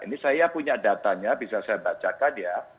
ini saya punya datanya bisa saya bacakan ya